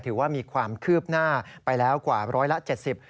ถือว่ามีความคืบหน้าไปแล้วกับ๑๗๐